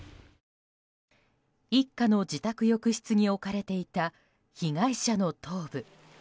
一家の自宅浴室に置かれていた被害者の頭部。